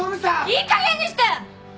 いいかげんにして！